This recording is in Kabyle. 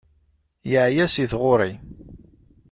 Yeεya si tɣuri.